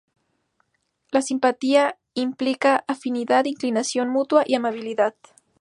La simpatía implica afinidad, inclinación mutua y amabilidad.